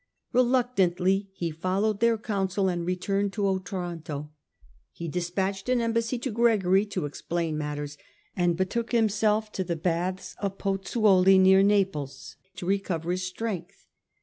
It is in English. Reluctantly he followed their counsel and returned to Otranto. He despatched an embassy to Gregory to explain matters and betook himself to the baths of Pozzuoli, near Naples, to recover his strength.